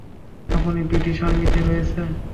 আপনি ব্রিটিশ আর্মিতে রয়েছেন?